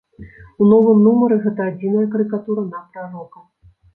У новым нумары гэта адзіная карыкатура на прарока.